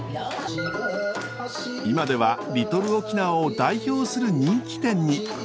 今ではリトル沖縄を代表する人気店に。